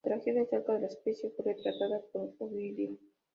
La tragedia acerca de la especia fue retratada por Ovidio.